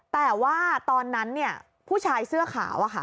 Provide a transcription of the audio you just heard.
แต่ว่าตอนนั้นผู้ชายเสื้อขาว